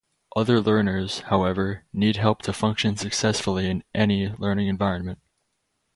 Other learners, however, need help to function successfully in "any" learning environment.